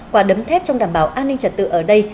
quả đấm thép trong đảm bảo an ninh trật tự ở đây